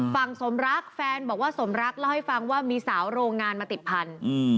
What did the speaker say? สมรักแฟนบอกว่าสมรักเล่าให้ฟังว่ามีสาวโรงงานมาติดพันธุ์